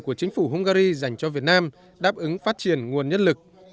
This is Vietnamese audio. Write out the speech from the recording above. của chính phủ hungary dành cho việt nam đáp ứng phát triển nguồn nhất lực